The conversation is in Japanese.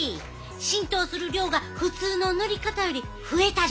浸透する量が普通の塗り方より増えたで。